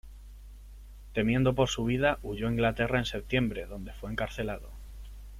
Temiendo por su vida, huyó a Inglaterra en septiembre, donde fue encarcelado.